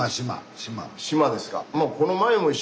島ですか？